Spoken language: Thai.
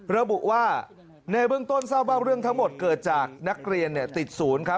ระบุว่าในเบื้องต้นทราบว่าเรื่องทั้งหมดเกิดจากนักเรียนติดศูนย์ครับ